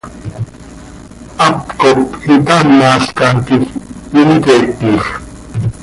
Hap cop itaamalca quij imqueetij.